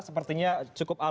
sepertinya cukup banyak